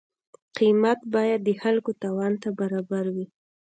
قیمت باید د خلکو توان ته برابر وي.